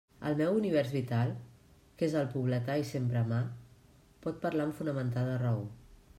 El meu univers vital, que és el pobletà i sempre a mà, pot parlar amb fonamentada raó.